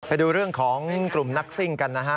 ไปดูเรื่องของกลุ่มนักซิ่งกันนะฮะ